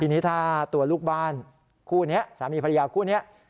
ทีนี้ถ้าตัวลูกบ้านคู่นี้สามีภรรยาคู่นี้